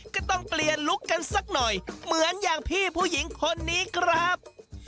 ก็ต้องเปลี่ยนลุคกันสักหน่อยเหมือนอย่างพี่ผู้หญิงคนนี้ครับ